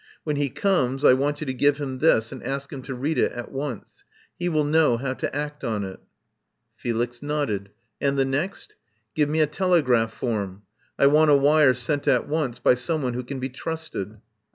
When he comes I want you to give him this and ask him to read it at once. He will know how to act on it." Felix nodded. "And the next?" "Give me a telegraph form. I want a wire sent at once by someone who can be trusted."